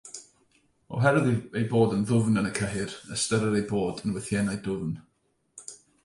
Oherwydd eu bod yn ddwfn yn y cyhyr, ystyrir eu bod yn wythiennau dwfn.